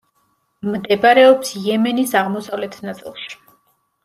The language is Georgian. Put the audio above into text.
მდებარეობს იემენის აღმოსავლეთ ნაწილში.